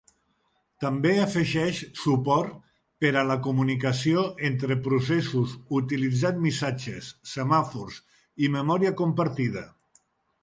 També afegeix suport per a la comunicació entre processos utilitzant missatges, semàfors, i memòria compartida.